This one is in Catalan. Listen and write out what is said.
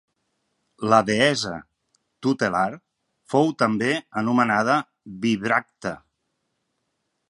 La deessa tutelar fou també anomenada Bibracte.